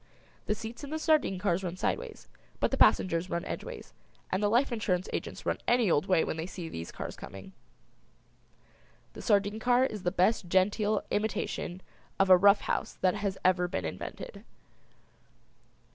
The seats in the sardine cars run sideways; the passengers run edgeways, and the life insurance agents run any old way when they see these cars coming. The sardine car is the best genteel imitation of a rough house that has ever been invented.